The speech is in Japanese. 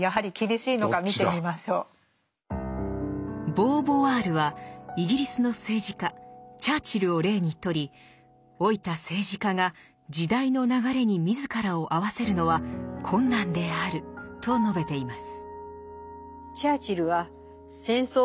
ボーヴォワールはイギリスの政治家チャーチルを例にとり老いた政治家が時代の流れに自らを合わせるのは困難であると述べています。